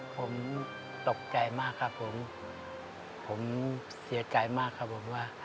ผมตกใจมากครับผมผมเสียใจมากครับผมว่า